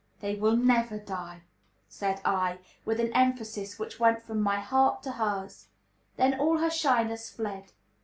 "They will never die!" said I, with an emphasis which went from my heart to hers. Then all her shyness fled.